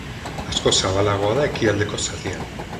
Askoz zabalagoa da ekialdeko zatian.